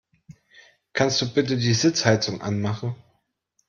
Kannst du bitte die Sitzheizung anmachen?